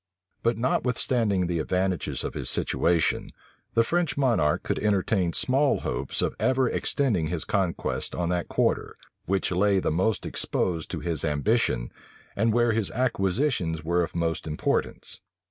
But notwithstanding the advantages of his situation, the French monarch could entertain small hopes of ever extending his conquests on that quarter, which lay the most exposed to his ambition, and where his acquisitions were of most importance.